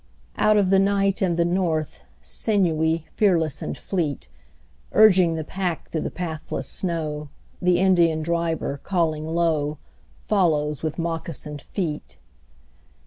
Out of the night and the north, Sinewy, fearless and fleet, Urging the pack through the pathless snow, The Indian driver, calling low, Follows with moccasined feet.